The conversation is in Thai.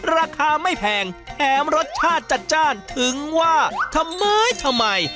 ราคาไม่แพงแถมรสชาติจัดจ้านถึงว่าทำไมทำไม